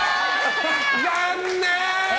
残念！